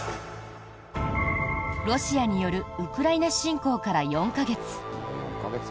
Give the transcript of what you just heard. ロシアによるウクライナ侵攻から４か月。